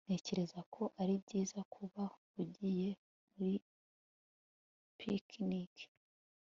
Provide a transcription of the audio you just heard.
Ntekereza ko ari byiza kuba ugiye muri picnic